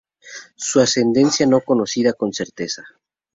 Su ascendencia no conocida con certeza.